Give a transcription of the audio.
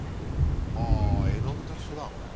はあ絵の具と一緒だこれ。